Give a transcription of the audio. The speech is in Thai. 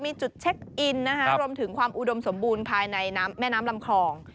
มีจุดเช็คอินนะคะรวมถึงความอุดมสมบูรณ์ภายในแม่น้ำลำคลอง